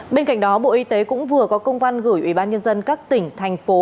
bên cạnh đó bộ y tế cũng vừa có công văn gửi ủy ban nhân dân các tỉnh thành phố